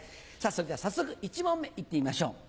それでは早速１問目行ってみましょう。